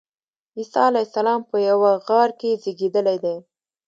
عیسی علیه السلام په یوه غار کې زېږېدلی دی.